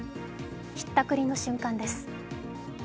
ひったくりの瞬間です。